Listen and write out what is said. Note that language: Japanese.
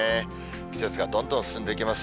季節がどんどん進んでいきます。